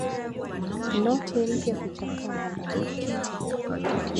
Noti mpya huchakaa haraka